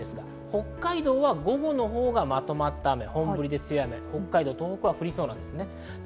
北海道は午後のほうがまとまった雨、本降りで強い雨、北海道、東北、降りそうです。